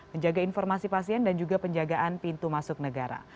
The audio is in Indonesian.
menjaga informasi pasien dan juga penjagaan pintu masuk negara